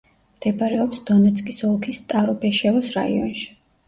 მდებარეობს დონეცკის ოლქის სტარობეშევოს რაიონში.